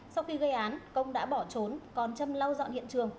sau khi gây án công đã bỏ trốn còn châm lau dọn hiện trường